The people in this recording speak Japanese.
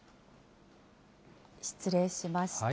失礼しました。